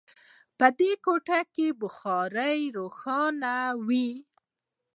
په دې کوټو کې بخارۍ روښانه وي